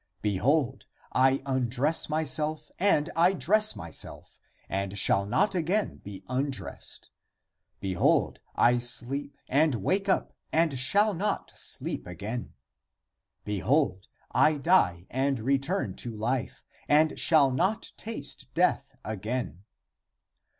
< Behold, I undress myself and I dress my self, > and shall not again be undressed. Behold, I sleep and wake up, and shall not sleep again. Be hold, I die and return to life, and shall not taste death again.